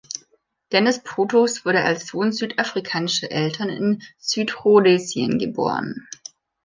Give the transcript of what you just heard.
Dennis Brutus wurde als Sohn südafrikanischer Eltern in Südrhodesien geboren.